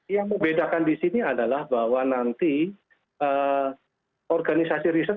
yang membedakan di sini adalah bahwa nanti organisasi riset